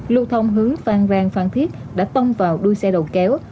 lưu thông hướng phan rang phan thiết đã tông vào đuôi xe đầu kéo